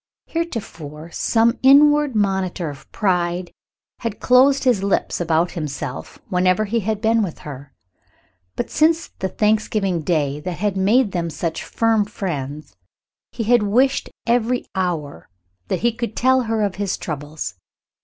Heretofore, some inward monitor of pride had closed his lips about himself whenever he had been with her, but, since the Thanksgiving Day that had made them such firm friends, he had wished every hour that he could tell her of his troubles.